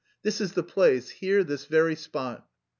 This is the place, here this very spot."